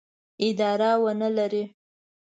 اداره ونه لري.